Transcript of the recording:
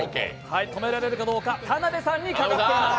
止められるかどうか田辺さんにかかっています。